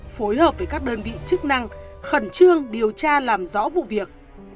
phối hợp với các đơn vị chức năng khẩn trương điều tra làm rõ vụ việc